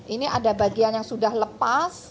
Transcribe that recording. ini ada bagian yang sudah lepas